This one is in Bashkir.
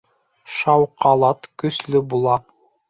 Шауҡалат көслө була